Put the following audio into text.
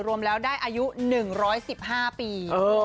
รวมแล้วได้อายุ๑๑๕ปี